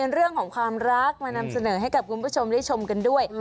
เรื่องของความรักมานำเสนอให้กับคุณผู้ชมได้ชมกันด้วย